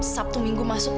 sabtu minggu masuk